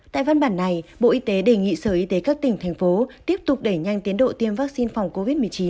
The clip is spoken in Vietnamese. tại văn bản này bộ y tế đề nghị sở y tế các tỉnh thành phố tiếp tục đẩy nhanh tiến độ tiêm vaccine phòng covid một mươi chín